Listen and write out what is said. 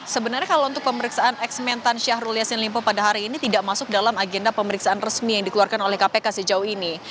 sebenarnya kalau untuk pemeriksaan eks mentan syahrul yassin limpo pada hari ini tidak masuk dalam agenda pemeriksaan resmi yang dikeluarkan oleh kpk sejauh ini